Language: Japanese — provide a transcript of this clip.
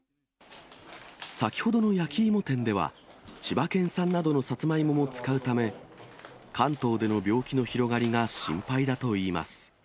先ほどの焼き芋店では、千葉県産などのさつまいもも使うため、関東での病気の広がりが心配だといいます。